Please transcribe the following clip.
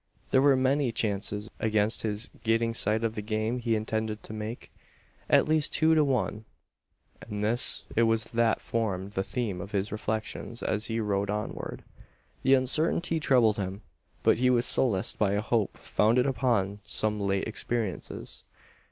There were many chances against his getting sight of the game he intended to take: at least two to one; and this it was that formed the theme of his reflections as he rode onward. The uncertainty troubled him; but he was solaced by a hope founded upon some late experiences.